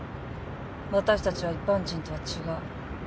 私たちは一般人とは違う。